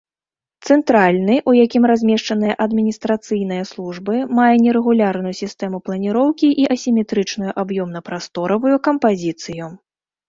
Цэнтральны, у якім размешчаныя адміністрацыйныя службы, мае нерэгулярную сістэму планіроўкі і асіметрычную аб'ёмна-прасторавую кампазіцыю.